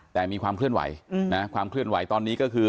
แต่มีความเคลื่อนไหวตอนนี้ก็คือ